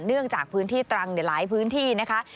เนื่องจากพื้นที่ตรังในหลายพื้นที่นะคะ